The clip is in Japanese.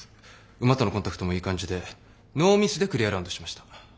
馬とのコンタクトもいい感じでノーミスでクリアラウンドしました。